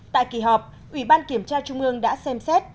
tại kỳ họp ubkt trung ương đã xem xét